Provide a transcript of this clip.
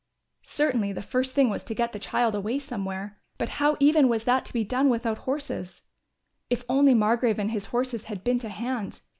Certainly the first thing was to get the child away somewhere, but how even was that to be done without horses? If only Margrove and his horses had been to hand!